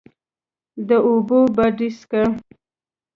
د اوبو باډسکه،